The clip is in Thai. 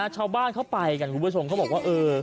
ชาวบ้านเขาไปกันคุณผู้ชมเขาบอกว่าเออ